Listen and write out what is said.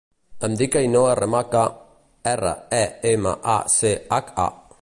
Em dic Ainhoa Remacha: erra, e, ema, a, ce, hac, a.